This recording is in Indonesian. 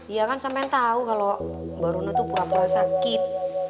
iya kan sampe tahu kalau mbak rona tuh pura pura sakit